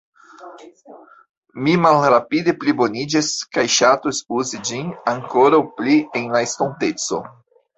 Mi malrapide pliboniĝas kaj ŝatus uzi ĝin ankoraŭ pli en la estonteco.